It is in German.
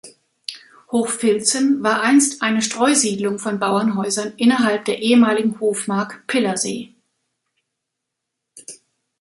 Hochfilzen war einst eine Streusiedlung von Bauernhäusern innerhalb der ehemaligen Hofmark Pillersee.